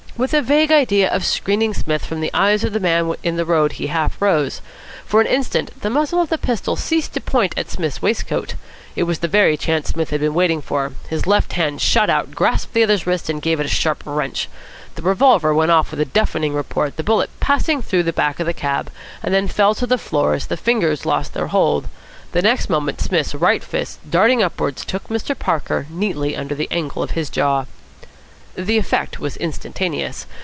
With a vague idea of screening Psmith from the eyes of the man in the road he half rose. For an instant the muzzle of the pistol ceased to point at Psmith's waistcoat. It was the very chance Psmith had been waiting for. His left hand shot out, grasped the other's wrist, and gave it a sharp wrench. The revolver went off with a deafening report, the bullet passing through the back of the cab; then fell to the floor, as the fingers lost their hold. The next moment Psmith's right fist, darting upwards, took Mr. Parker neatly under the angle of the jaw. The effect was instantaneous.